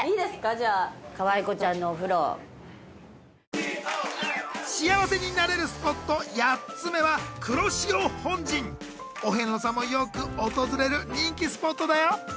じゃあかわいこちゃんのお風呂幸せになれるスポット８つ目は黒潮本陣お遍路さんもよく訪れる人気スポットだよ